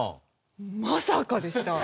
まさかでした！